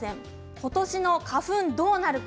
今年の花粉、どうなるか。